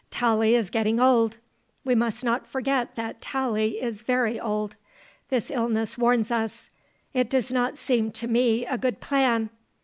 Tallie is getting old. We must not forget that Tallie is very old. This illness warns us. It does not seem to me a good plan.